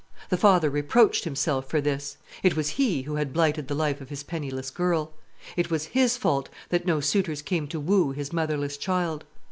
The father reproached himself for this. It was he who had blighted the life of his penniless girl; it was his fault that no suitors came to woo his motherless child.